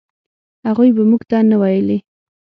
هغوی به موږ ته نه ویلې.